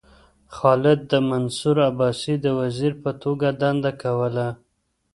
خالد د منصور عباسي د وزیر په توګه دنده کوله.